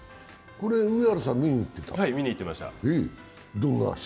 これ、上原さん見に行ってたの？